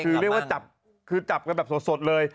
คือดีกว่าจับแบบสดเลย